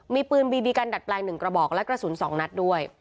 มีปืนบีบีกันดัดแปลง๑กระบอกและกระสุน๒นัดด้วย